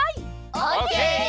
オッケー！